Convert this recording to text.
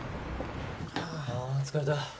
あ疲れた。